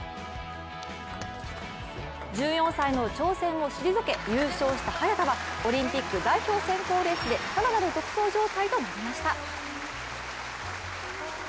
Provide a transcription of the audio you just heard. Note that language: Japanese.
１４歳の挑戦を退け優勝した早田はオリンピック代表選考レースで更なる独走状態となりました。